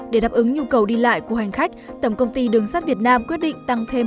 để đáp ứng nhu cầu đi lại của hành khách tổng công ty đường sắt việt nam quyết định tăng thêm